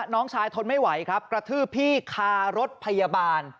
น้องชายทนไม่ไหวครับกระทืบพี่คารถพยาบาล